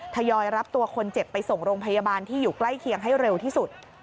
ทยอยรับตัวคนเจ็บไปส่งโรงพยาบาลที่อยู่ใกล้เคียงให้เร็วที่สุด